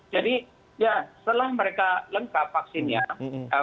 ya setelah mereka lengkap vaksinnya